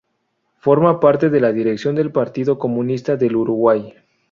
Forma parte de la dirección del Partido Comunista del Uruguay.